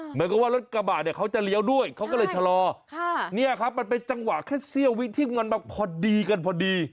เหมือนกับว่ารถกระบะเนี่ยเขาจะเลี้ยวด้วยเขาก็เลยชะลอค่ะเนี่ยครับมันเป็นจังหวะแค่เสี้ยววิที่มันมาพอดีกันพอดี